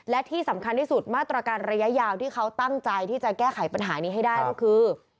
และที่สำคัญที่สุดมาตรการระยะยาวที่เขาตั้งใจที่จะแก้ไขปัญหานี้ให้ได้ก็คือ